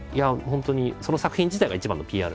本当にその作品自体が一番のＰＲ